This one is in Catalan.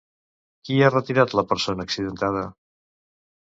Qui ha retirat la persona accidentada?